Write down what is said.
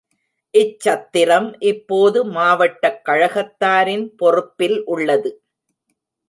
இச் சத்திரம் இப்போது மாவட்டக் கழகத்தாரின் பொறுப்பில் உள்ளது.